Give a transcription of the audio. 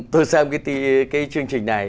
tôi xem cái chương trình này